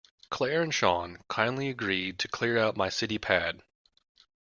Claire and Sean kindly agreed to clear out my city pad.